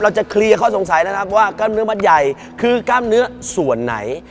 จะเคลียร์ข้อสงสัยนะครับว่ากล้ามเนื้อมัดใหญ่คือกล้ามเนื้อส่วนไหน